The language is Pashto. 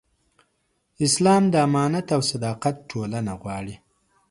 اسلام د امانت او صداقت ټولنه غواړي.